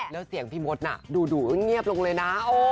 แล้วเสียงพี่มดน่ะดูเงียบลงเลยนะ